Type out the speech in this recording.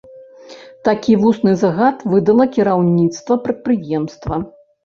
Такі вусны загад выдала кіраўніцтва прадпрыемства.